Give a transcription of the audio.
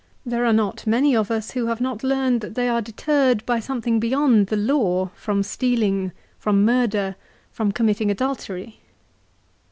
There are not many of us who have not learned that they are deterred by something beyond the law from stealing, from murder, from committing adultery.